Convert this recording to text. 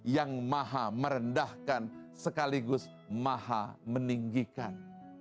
yang maha merendahkan sekaligus maha meninggikan